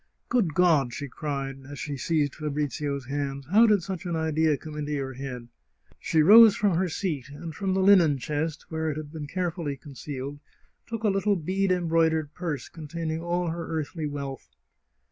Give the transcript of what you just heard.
" Good God !" she cried, as she seized Fabrizio's hands, " how did such an idea come into your head ?" She rose from her seat, and from the linen chest, where it had been carefully concealed, took a little bead embroid ered purse, containing all her earthly wealth.